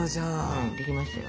うんできましたよ。